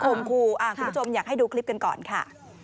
ขอคุณผู้ชมให้ดูคลิปกันก่อนค่ะ